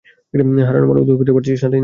হারানো মাল উদ্ধার করতে পারছিস না।